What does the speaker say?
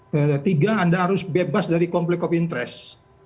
ketiga anda harus bebas dari konflik of interest